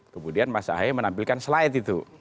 kemudian mas ahaye menampilkan slide itu